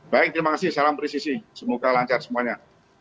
baik terima kasih salam presisi semoga lancar semuanya